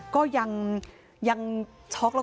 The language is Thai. คุณพ่อเสียชีวิตด้วยสาเหตุอะไร